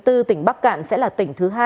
tỉnh bắc cạn sẽ là tỉnh thứ hai